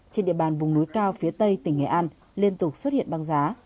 trên địa bàn vùng núi cao phía tây tỉnh nghệ an liên tục xuất hiện băng giá